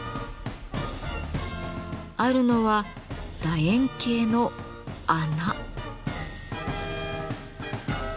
あるのは楕円形の穴。